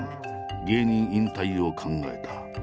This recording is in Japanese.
芸人引退を考えた。